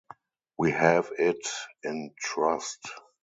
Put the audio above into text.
We have it in trust.